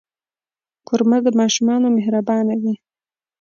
کوربه د ماشومانو مهربان وي.